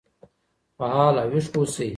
فعال او ويښ اوسئ.